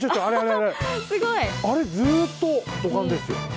すごい！あれずっと土管ですよ。